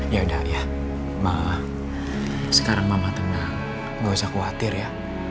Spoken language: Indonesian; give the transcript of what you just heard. ya udah ya maaf sekarang mama tenang gak usah khawatir ya